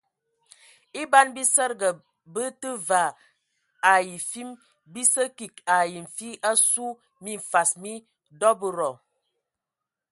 E ban bisədəga bə tə vaa ai fim bi sə kig ai nfi asu minfas mi dɔbədɔ.